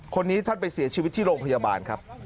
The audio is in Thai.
คนนี้ท่านไปเสียชีวิตที่โรงพยาบาลครับ